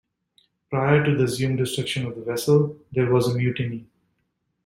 Prior to the assumed destruction of the vessel, there was a mutiny.